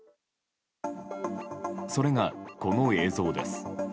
それがこの映像です。